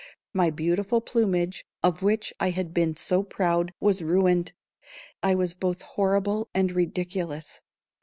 My beautiful plumage, of which I had been so proud, was ruined. I was both horrible and ridiculous.